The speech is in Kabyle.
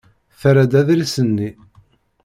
Terra-d adlis-nni.